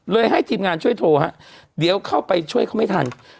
ให้ทีมงานช่วยโทรฮะเดี๋ยวเข้าไปช่วยเขาไม่ทัน